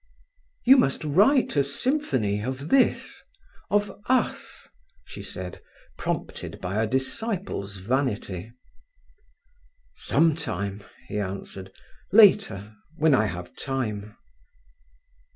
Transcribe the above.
"You must write a symphony of this—of us," she said, prompted by a disciple's vanity. "Some time," he answered. "Later, when I have time."